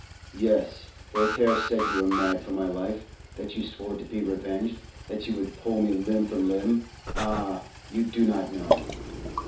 "Yes. Voltaire said you were mad for my life; that you swore to be revenged; that you would pull me limb from limb! Ah, you do not know."